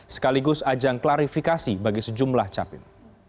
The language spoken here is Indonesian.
sekaligus ajang klarifikasi bagi sejumlah capil